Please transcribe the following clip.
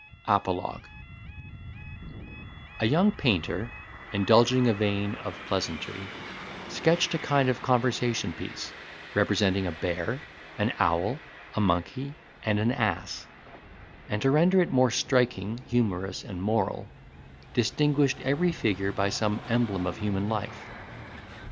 APOLOGUE A young painter, indulging a vein of pleasantry, sketched a kind of conversation piece, representing a bear, an owl, a monkey, and an ass; and to render it more striking, humorous, and moral, distinguished every figure by some emblem of human life.